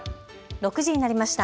６時になりました。